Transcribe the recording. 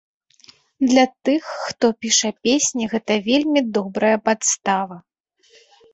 Для тых, хто піша песні, гэта вельмі добрая падстава.